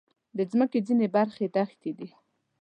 د مځکې ځینې برخې دښتې دي.